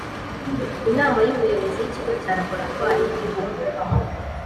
Inama y Ubuyobozi y Ikigo cya Laboratwari y Igihugu